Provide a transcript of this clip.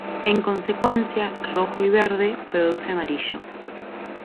En consecuencia, rojo y verde produce amarillo.